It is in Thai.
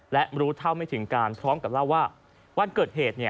และรู้เท่าไม่ถึงการพร้อมกับเล่าว่าวันเกิดเหตุ